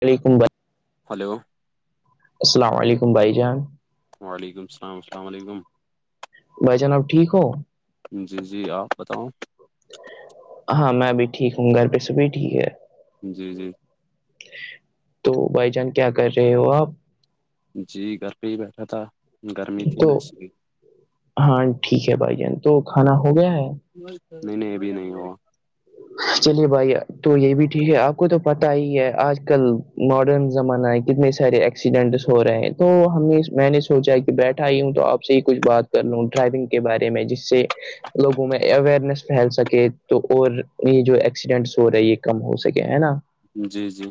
کلی ک ب [unintelligible] ہلو السلام علیکم بھائی جان وعلیکم السلام السلام علیکم بھائی جانب ٹھیک ہو جی جی آپ بتاؤں ہاں میںب ٹھیک ہوں گھر پہ سب بھی ٹھیک ہے جی جی تو بھائی جان کیا کر رہے ہو آپ جی گر پہ ہی بیٹھا تھا گرمی تھی تو ناچلی ہاں ٹھیک ہے بھائی جان تو کھانا ہو گیا ہے نہیں نہیں ا بھیھی نہیں وہ چلیے بھائی تو یہ بھی ٹھیک ہے آپ کو تو پتا ہی ہے آج کل ماڈرن زمانہ ہے کتنے سارے ایکسیڈنٹس ہو رہے ہیں تو ہمیں میں نے سوچا کہ بیٹھا ہی ہوں تو آپ سے ہی کچھ بات کر لوں ڈرائیونگ کے بارے میں جس سے لوگوں میں اوئرنیس پھیل سکے تو اور یہ جو ایکسیڈینٹس ہو رہے یہ کم ہو سکے ہے نا جی جی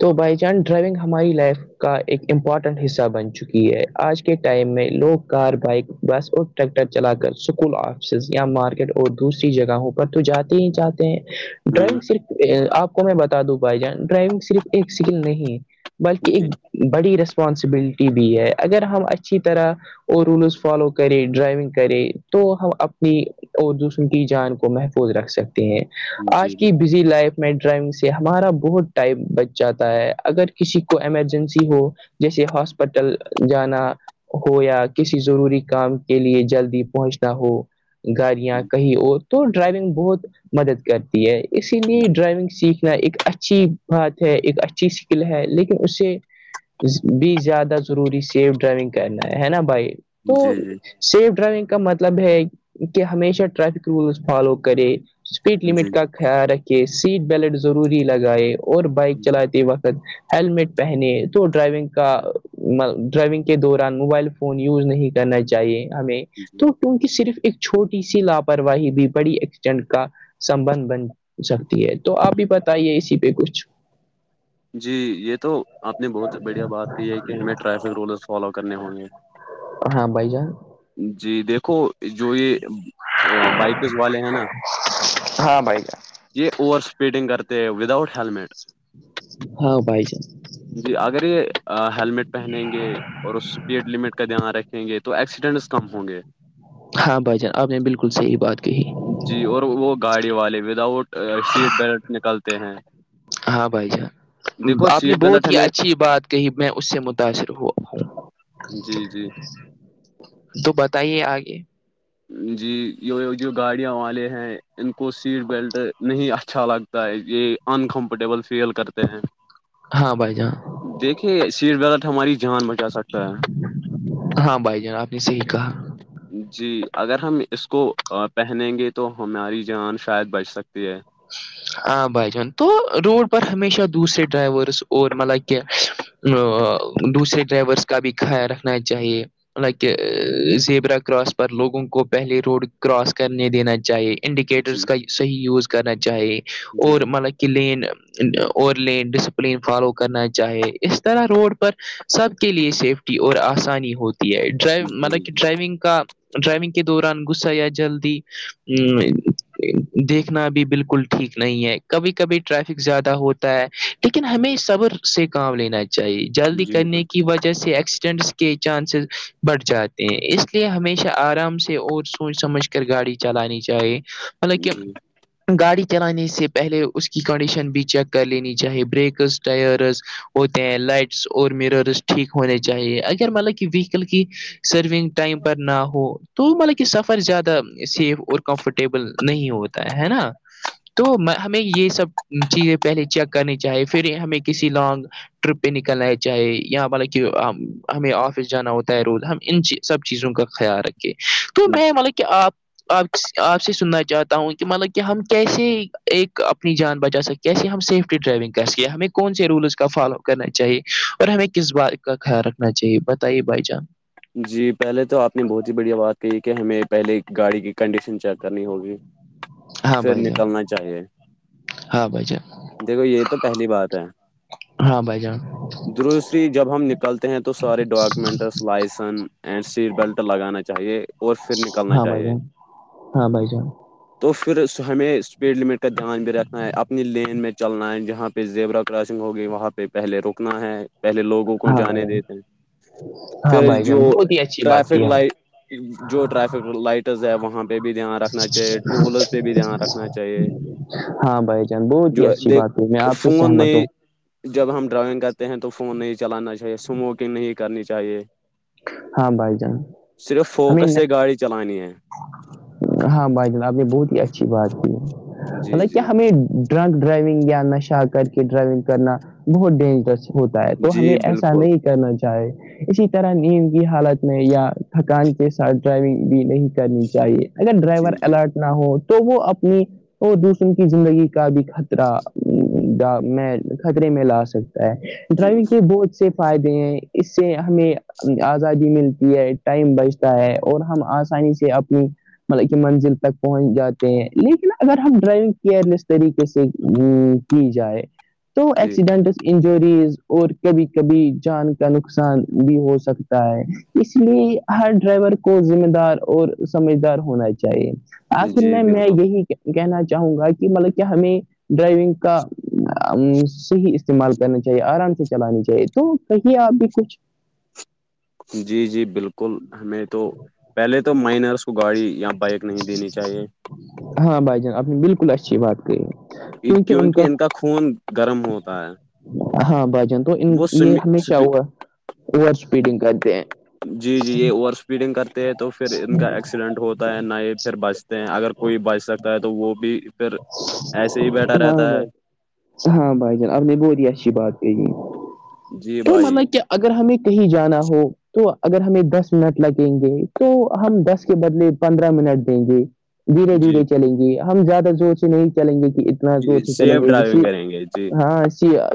تو بھائی چند ڈرائیونگ ہماری لائف کا ایک امپورٹنٹ حصہ بن چکی ہے آج کے ٹائم میں لوگ کار بائک بس اور ٹریکٹر چلا کر اسکول آفسز یا مارکیٹ اور دوسری جگہوں پر تو جاتے ہی چاہتے ہیں ہ ڈرائونگ صرف آپ کو میں بتا دو بائی جان ڈرائیونگ صرف ایک اسکل نہیں ہے بلکہ جی ایک بڑی رسپانسبلٹی بھی ہے اگر ہم اچھی طرح اور رولز فالو کرے ڈرائیونگ کرے تو ہم اپنی اور دوسروں کی جان کو محفوظ رکھ سکتے ہیں جی آج کی لائف میں ڈرائونگ سے ہمارا بہت ٹائم بچ جاتا ہے اگر کسی کو ایمرجنسی ہو جیسے ہاسپٹل جانا ہو یا کسی ضروری کام کے لیے جلدی پہنچنا ہو گاڑیاں بالکل کہیں اور تو ڈرائیونگ بہت مدد کرتی ہے اسی لیے ڈرائیونگ سیکھنا ایک اچھی بات ہے ایک اچھی اسکل ہے لیکن اسے بھی زیادہ ضروری سیف ڈرائیونگ کرنا ہے نا بھائی تو جی جی سیف ڈرائیونگ کا مطلب ہے کہ ہمیشہ ٹریفک رولس فالو کرے اسپیڈ جی لمٹ کا خیال رکھے سیٹ بیلٹ ضروری لگائے اور بائک بالکل جی چلاتے وقت ہیلمٹ پہنے تو ڈرائیونگ کا ڈرائیونگ کے دوران موبائلون فون یوز نہیں کرنا چاہیے ہمیں جی تو کیونکہ صرف ایک چھوٹی سی لاپرواہی بھی پڑی ایکسچنڈ کا سبھ بن سکتی ہے تو آپ بھی بتائیے اسی پہ کچھ جی یہ تو آپ نے بہت بڑھیا بات کی ہے کہ ہمیں ٹریفک رولز فالو کرنے ہوں گے ہاں بائی جان جی دیکھو جو یہ بائکس والے ہیں نا ہاں بھائی جان یہ اوور اسپیڈنگ کرتے ہیں وداؤٹ ہیلمٹ ہاں پائی جے جی اگر یہ ہیللمٹ پہنیں گے اور اس اسپیڈ لمٹ کا دھیان رکھیں گے تو ایکسیڈ س کم ہوں گے ہاں بھائی جان آپ نے بالکل صحیح بات کہ جی اور وہ گاڑی والے ود آؤٹ سیٹ بیلٹ نکلتے ہیں ہاں بھائی جان دیکھو آپ نے سیٹ بیلٹ بہت ہی ہمیں اچھی بات کہی میں اس سے متاثر ہوا ہوں جی جی تو بتائیے آگے جی یہ جو گاڑییاں والے ہیں ان کو سیٹ بیلٹ نہیں اچھا لگ یہ انکمفرٹیبل فیل کرتے ہیں ہاں بھائی جاناں دیکھیے سیٹ بغت ہماری جان بچا سکتا ہے ہاں بھائی جان آپ نے صحیح کہا جی اگر ہم اس کو پہنیں گے تو ہماری جان شاید بچ سکتی ہے ہ بھائی جان تو روڈ پر ہمیشہ دوسرے ڈرائیورس اور مطلب کہ ا دوسرے ڈرائیورس کا بھی خیال رکھنا چاہیے م کہ زیبرا کراس پر لوگوں کو پہلے روڈ کراس کرنے دینا چاہیے انڈیکیٹرس جی کا صحیح یوز کرنا چاہیے جی اور بالکل مطلب کہ لین اور لین ڈسپلین فالو کرنا چاہے اس طرح روڈ پر سب کے لیے سیفٹی اور آسانی ہوتی ہے ڈرائی مطلب جی کہ جی ڈرائیونگ کا ڈرائیونگ کے دوران غصہ یا جلدی ا دیکھ نا بھی بالکل ٹھیک نہیں ہے کبھی کبھی ٹریفک زیادہ ہوتا ہے لیکن ہمیں صبر سے کام لینا چاہیے جلدی جی کرنے بالکل کی وجہ سے ایکسیڈنٹس کے چانسز بڑھ جاتے ہیں اس لیے ہمیشہ آرام سے اور سوچ سمجھ کر گاڑی چلانی چاہیے مطلب کہ جی گاڑی چلانے سے پہلے اس کی کنڈیشن بھی چیک کر لینی چاہیے بریکز ٹائرز ہوتے ہیں لائٹس اور مرس ٹھیک ہونے چاہیے اگر مطلب کہ ویکل کی سرونگ ٹائم پر نہ ہو تو مطلب کہ سفر زیادہ سیف اور کمفرٹیبل نہیں ہوتا ہے نا تو ہمیں یہ سب چیزیں پہلے چیک کرنی چاہیے پھر ہمیں کسی لانگ ٹرپ پہ نکلنا ہے چاہے یہاں بلے کہ ہمیں آفس جانا ہوتا ہے رود ہم ان سب چیزوں کا خیال رکھے تو میں مطلب کہ آپ آپ آپ سے سننا چاہتا ہوں مطلب کہ ہم کیسے ایک اپنی جان بچا سکیں کیسے ہم سیفٹی ڈرائیونگ کر سکیں ہمیں کون سے رولس کا فالو کرنا چاہیے اور ہمیں کس بات کا خیال رکھنا چاہیے بتائیے بھائی جان جی پہلے تو آپ نے بہت ہی بڑھیا بات کہ کہ ہمیں پہلے گاڑی کی کنڈیشن چیک کرنی ہوگی ہاں پھر بھائی جان نکلنا چاہیے ہاں بھائی جان دیکھو یہ تو پہلی بات ہے ہاں بھائی جان دسری جب ہم نکلتے ہیں تو سارے documents licence and seat belt لگانا چاہے اور پھر نکلنا ہاں بھائی چاہیے جان ہاں بھائی جان تو پھر ہمیں اسپیڈ لمٹ کا دھیان بھی رکھنا ہے اپنی لین میں چلنا ہے جہاں پ زیبرا کراسنگ ہو گگی وہاں پہ پہلے رکنا ہے پہلے لوگوں کو ہاں بھائی جانے جان دیتے ہیں ہاں پھر بھائی جان جو بہت ہی اچھی بات ٹریفک کی لائٹ آپ جو ٹریفک لائٹز ہے وہاں پہ بھی دھیان رکھنا چاہیے ٹولز پہ بھی دھیان رکھنا چاہیے ہاں بھائی جان بہت ہی جو اچھی بات ہے میں دیک آپ سے فون سہمت ہوں نہیں جب ہم ڈرائیونگ کرتے ہیں تو فون نہیں چلانا چاہیے اسموکنگ نہیں کرنی چاہیے ہاں بھائی جان صرف ہمیں فوکس سے گاڑی چلانی ہے ہاں بھائی جن آپ نے بہت ہی اچھی بات کی ہے جی مطلب کیا جی ہمیں ڈرنک ڈرائیونگ یا نشہ کر کے ڈرائیونگ کرنا بہت ڈینجرس ہوتا ہے تو ہمیں جی ایسا بالکل نہیں کرنا چاہے اسی طرح نہیں نیند کی حالت میں یا تھکان کے ساتھ ڈرائیونگ بھی نہیں کرنی چاہیے اگر ڈرائیور جی جی الرٹ نہ ہو تو وہ اپنی دوسروں کی زندگی کا بھی خطرہ میں خطرے میں لا سکتا ہے جی ڈرائیونگ کے بہت سے فائدے ہیں اس سے ہمیں آزادی ملتی ہے ٹائم بچتا ہے اور ہم آسانی سے اپنی مطلب کہ منزل تک پہنچ جاتے ہیں لیکن اگر ہم ڈرائیونگ کیئرلیس طریقے سے نہیں جائے تو جی ایکسیڈنٹ انجوریز اور کبھی کبھی جان کا نقصان بھی ہو سک سکتا ہے اس لیے ہر ڈرائیور کو ذمہ دار اور سمجھدار ہونا چاہیے آخر جی میں میں بالکل یہی کہنا چاہوں گا کہ مطلب کیا ہمیں ڈرائیونگ کا صحیح استعمال کرنا چاہیے آرام سے چلانی چاہیے تو کہی آپ بھی کچھ جی جی بالکل ہمیں تو پہلے تو مائنرس کو گاڑی یا بائک نہیں دینی چاہیے ہاں بھائی جان آپ نے بالکل اچھی بات کہی کیونکہ ان کا خون گرم ہوتا ہے ہاں بھائی جان تو ان یہ ہمیشہ وہ اوور اسپیڈنگ کرتے ہیں جی جی یہ اوور اسپیڈنگ کرتے ہیں تو پھر ان کا ایکسیڈنٹ ہوتا ہے نہ یہ پھر بچ اگر کوئی بچ سکتا ہے تو وہ بھی پھر ایسے ہی بیٹھا ہاں رہتا ہے بھائی ہاں بھائی جان اب نے بی اچھی بات کہی جی تو بھائی مطلب کیا اگر ہمیں کہیں جانا ہو تو اگر ہمیں دس منٹ لگیں گے تو ہم دس کے بدلے پندرہ منٹ دیں گے دھیرے جی دھیرے چلیں گے ہم زیادہ زور سے نہیں چلیں گے کہ تو جی سے چلیں سیف گے کسی ڈرائیونگ کریں گے جی ہاں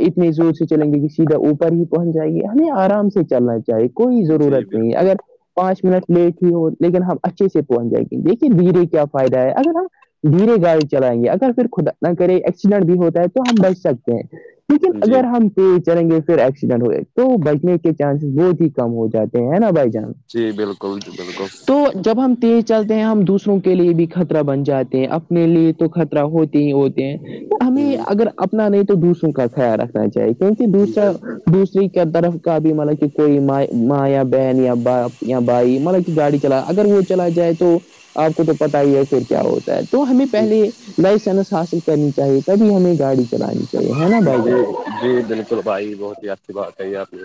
اتنی زور سے چلیں گے کہ سیدھا اوپر ہی پہنچ جائے گی ہمیں آرام سے چلنا چاہی کوئی جی ضرورت نہیں ہے بالکل اگر پانچ منٹ لیٹ ہی ہو لیکن ہم اچھے سے پہنچ جائیں گے دیکھیے بجے کیا فائدہ ہے اگر ہم دھیرے گاڑی چلائیں گے اگر پھر خدا نہ کرے ایکسیڈنٹ بھی ہوتا ہے تو ہم بچ سکتے ہیں لیکن جی اگر ہم تیز چلیں گے پھر ایکسیڈنٹ ہو تو بچنے کے چانسز بہت ہی کم ہو جاتے ہیں نا بھائی جان جی بالکل جی بالکل تو جب ہم ہی چلتے ہیں ہم دوسروں کے لیے بھی خطرہ بن جاتے ہیں اپنے لیے تو خطرہ ہو ہوتے ہیں ہمیں ہوں، اگر اپنا نہیں تو دوسروں کا خیال رکھ چاہ کیونکہ دوسرا بال دوسری طرف کا بھی مطلب کوئی م ماں یا بہن یا باپ یا بھائی مطلب کہ گاڑی چلا اگر وہ چلا جائے تو آپ کو تو پتا ہی ہے پھر کیا ہوتا ہے تو ہمیں جی پہلے لائسنس حاصل کرنی چاہیے تبھی ہمیں گاڑی چلانی چاہیے ہے نا بھائی جان جی بالکل بھائی بہت ہی اچھی بات کہی ہے آپ نے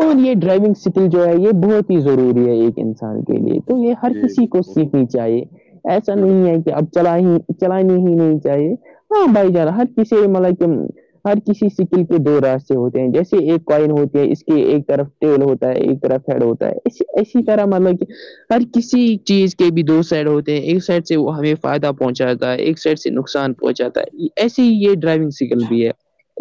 اور یہ ڈرائیونگ سکل جو ہے یہ بہت ہی ضروری ہے ایک انسان کے لیے تو یہ ہر جی کسی کو بالکل سیکھنی چاہیے ایسا نہیں بالکل ہے کہ اب چل ہی چلانی ہی نہیں چاہیے ہاں بھائی جارا ہر کسی مطلب کہ [unintelligible] ہر کسی سکل کے دو راستے ہوتے ہیں جیسے ایک کوئن ہوتی ہے اس کہ ایک طرف تل ہوتا ہے ایک طرف ہیڈ ہوتا ہے ایی جی کررح مانو کہ ہر کسی چیز کے بھی دو سائڈ ہوتے ہیں ایک سائڈ سے وہ ہمیں فائدہ پہنچاتا ہے ایک سائڈ سے نقصان پہنچاتا ہے ایسی ہی یہ ڈرائیونگ سگنل بھی ہے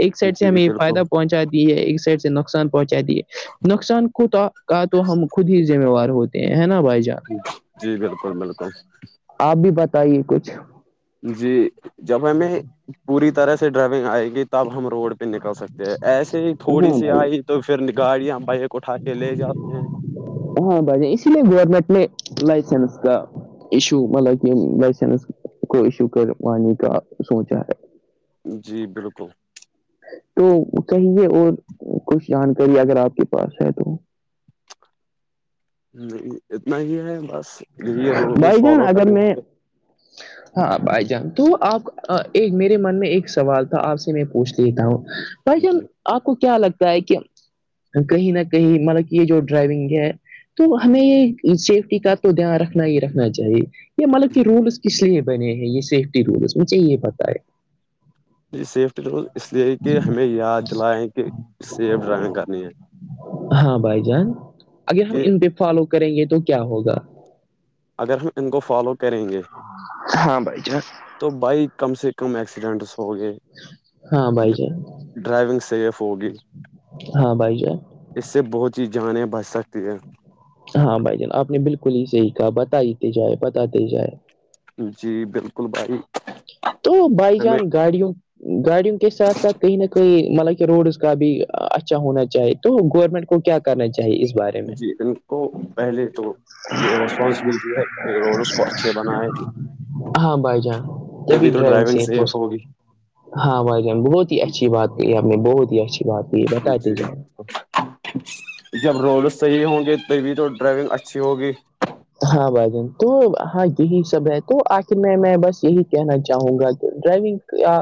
ایک سائڈ سے جی ہمیں بالکل فائدہ پہنچا دی ہے ایک سائڈ سے نقصان پہنچا دی ہے نقصان کوتا کا تو ہم خود ہی ذمہوار ہوتے ہیں ہے نا بھائی جان جی بالکل بالکل آپ بھی بتائیے کچھ جی جب ہمیں پوری طرح سے ڈرائیونگ آئے گی تب ہم روڈ پہ پ نکل سکتے ہیں ایسے ہی ہاں تھوڑی سی بھائی آئی تو پھر گاڑیاں بائک اٹھا کے لے جاتے ہیں [unintelligible] ہاں بھائی اسی لیے گورنمنٹ نے لائسنس کا ایشو مطلب کہ لائسنس کو ایشو کروانے کا سوچا ہے جی بالکل تو کہیے اور کچھ جانکاری اگر آپ کے پاس ہے تو نہیں اتنا ہی ہے بس جی ہے رول فالو کرنے ہوں گ [unintelligible] ج [unintelligible] ہاں بھائی جان تو آپ ایک میرے من میں ایک سوال تھا آپ سے میں پوچھ لیتا ہوں بھ جن جی آپ کو کیا لگتا ہے کہ [unintelligible] کہیں نہ کہیں ملب کہ یہ جو ڈرائیونگ ہے تو ہمیں یہ سیفٹی کا تو دھیان رکھنا ہی رکھنا چاہیے یہ مطلب کہ رولس کس لیے بنے ہیں یہ صف رولس مجھے یہ پتا ہے سفٹی روز [unintelligible] اس لیے کہ ہمیں یاد دلائیں کہ سیف ڈرائونگ کرنی ہے ہاں بھائی جان اگر ہم کہ ان پہ فالو کریں گے تو کیا ہوگا اگر ہم ان کو فالو کریں گے ہاں بھائی جان تو بائک کم سے کم ایکسیڈینٹس ہو گئے ہاں بھائی جان ڈرائیونگ سیف ہوگی ہاں بھائی جان اس سے بہت ہیی جانیں بچ سکتی ہے ہاں بھائی جان آپ نے بالکل ہی صحیح کہا بت ہیتے جائے بتاتے جائے جی بالکل بھائی تو بائی ہمیں جان گاڑیوں [unintelligible] گاڑیوں کے ساتھ ساتھ کہیں نہ کہیں مطلب کہ روڈز کا بھی اچھا ہونا چاہی تو گورنمنٹ کو کیا کرنا چاہیے اس بارے میں جی ان کو پہلے تو یہ ریسپانسبلٹی ہے کہ روڈس کو اچھے بنائے [unintelligible] ہاں بائی جان [unintelligible] تبھی ڈرائیونگ سیف ہوک ہاں وائی جان بہت ہی اچھی بات کہ آپ نے بہت ہی اچھا ج جی ج [unintelligible] جب رڈس صحیح ہوں گے تبھی تو ڈرائیونگ اچھی ہوگی ہاں بھجن تو ہاں یہی سب ہے تو آخر میں میں بس یہی کہنا چاہوں گا کہ ڈرائیونگ کیا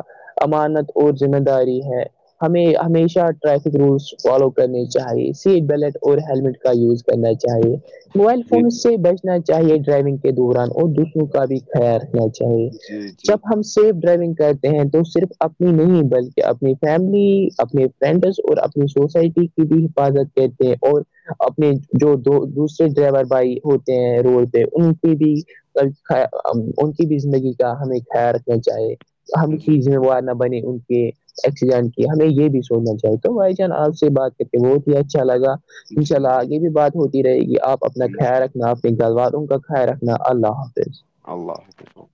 امانت اور ذمہ داری ہے ہمیں ہمیشہ ٹریفک رولس فالو کرنے چاہیے سیٹ بیلٹ اور ہیللمٹ کا یوز کرنا چاہیے موبائل جی فون سے بچنا چاہیے ڈرائیونگ کے دوران اور دوسروں کا بھی خیال رکھنا چیے چاہیے جی جب جی ہم سیف ڈرائیونگ کرتے ہیں تو صرف اپنی نہیں بلکہ اپنی فیملی اپنے فرینڈس اور اپنی سوسائٹی بھی حفاظت کرتے ہیں اور اپنے جو دوسرے ڈرائیور بھائی ہوتے رول پہ اونٹیی بھی ان کی بھی زندگی کا ہمیں خیال رکھنا چاہے ہم ہی جی جی ذمہوار نہ بنے ان کے ایکسیڈینٹ کی ہمیں یہ بھی سونا چاہی تو بھائی جان آپ سے بات کرتے بہت ہی اچھا لگا انشاء اللہ جی آگے بھی بات ہوتی رہے گی آپ اپنا انشاء خیال رکھ اپنی گلواروں کا خیال رکھنا اللہ حافظ اللہ حافظک